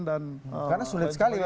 karena sulit sekali